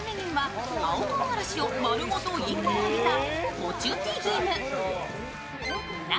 お店の看板メニューは青とうがらしを丸ごと１本揚げたコチュティギム。